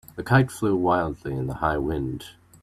The kite flew wildly in the high wind.